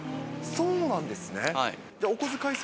そうなんですね。